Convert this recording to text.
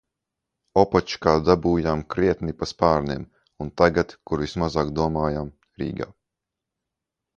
Opočkā dabūjām krietni pa spārniem un tagad, kur vismazāk domājām, Rīgā.